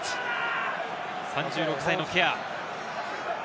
３６歳のケア。